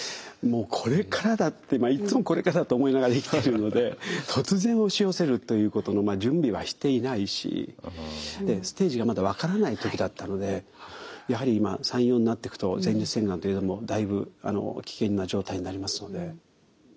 もうこれからだっていつもこれからだと思いながら生きてるので突然押し寄せるということの準備はしていないしステージがまだ分からない時だったのでやはり３４になっていくと前立腺がんといえどもだいぶ危険な状態になりますので。